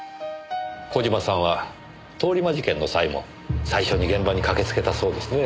小島さんは通り魔事件の際も最初に現場に駆けつけたそうですね。